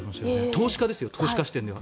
投資家ですよ投資家視点としては。